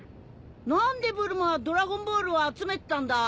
何でブルマはドラゴンボールを集めてたんだ？